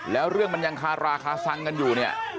แล้วเรื่องมันยังคาราคาซังกันอยู่เนี่ย